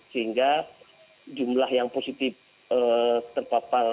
sehingga jumlah yang positifnya akan diperlukan